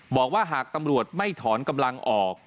บอกว่าหากตำรวจไม่ถอนกำลังออก